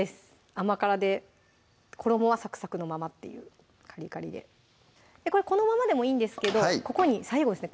甘辛で衣はサクサクのままっていうカリカリでこれこのままでもいいんですけどここに最後ですね